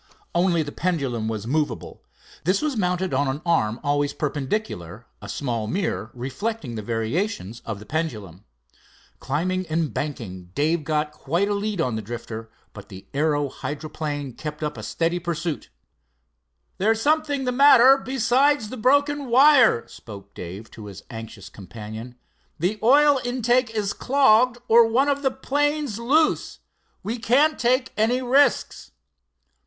Only the pendulum was movable. This was mounted on an arm always perpendicular, a small mirror reflecting the variations of the pendulum. Climbing and banking, Dave got quite a lead on the Drifter, but the aero hydroplane kept up a steady pursuit. "There's something the matter besides the broken wire," spoke Dave to his anxious companion. "The oil intake is dogged or one of the planes loose. We can't take any risks."